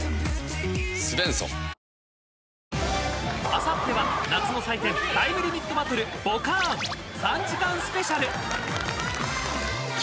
［あさっては夏の祭典『タイムリミットバトルボカーン！』３時間スペシャル］